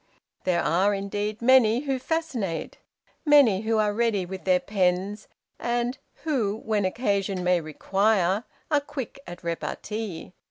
There are, indeed, many who fascinate; many who are ready with their pens, and who, when occasion may require, are quick at repartee.